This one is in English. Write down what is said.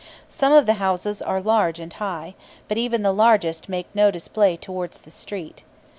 Some of the houses are large and high; but even the largest make no display towards the street.